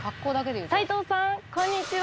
齋藤さんこんにちは。